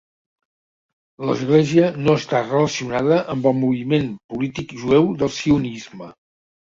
L'església no està relacionada amb el moviment polític jueu del sionisme.